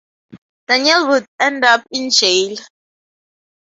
Daniel would end up in jail.